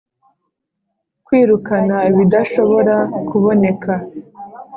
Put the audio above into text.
kwirukana ibidashobora kuboneka